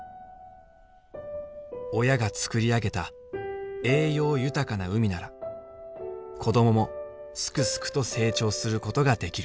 親がつくり上げた栄養豊かな海なら子供もすくすくと成長することができる。